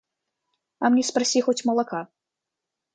А мне спроси хоть молока.